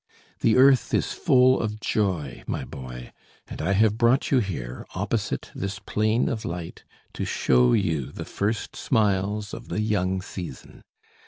The earth is full of joy, my boy, and I have brought you here, opposite this plain of light, to show you the first smiles of the young season.